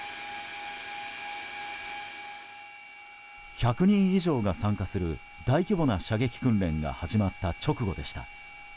１００人以上が参加する大規模な射撃訓練が始まった直後でした。